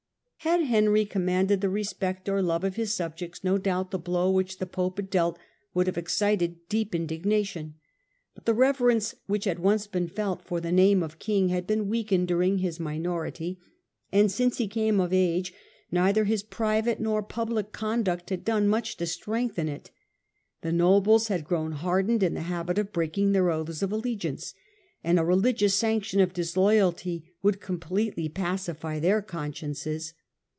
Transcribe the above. Had Henry commanded the respect or love of his subjects, no doubt the blow which the pope had dealt would have excited deep indignation. But the rever ence which had once been felt for the name of king had been weakened during his minority; and since he came of age neither his private nor public conduct had done much to strengthen it. The nobles had grown hardened in the habit of breaking their oaths of allegiance ; and a religious sanction of disloyalty would completely pacify their consciences.